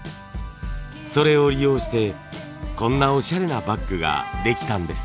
それを利用してこんなおしゃれなバッグができたんです。